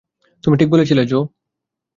তুমি ঠিক বলেছিলে, জো।